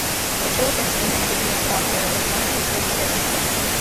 The church of Saint Endellion, Cornwall, is one of the few still extant.